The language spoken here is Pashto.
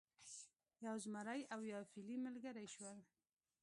یو زمری او یو فیلی ملګري شول.